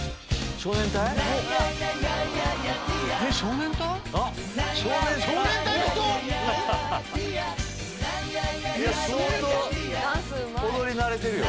少年隊の人⁉相当踊り慣れてるよ。